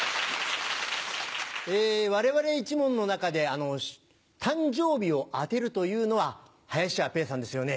我々一門の中で誕生日を当てるというのは林家ペーさんですよね。